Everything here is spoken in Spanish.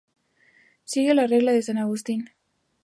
Siguen la regla de San Agustín.